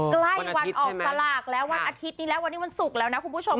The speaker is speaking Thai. ใกล้วันออกสลากแล้ววันอาทิตย์นี้แล้ววันนี้วันศุกร์แล้วนะคุณผู้ชม